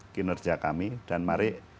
kinerja kami dan mari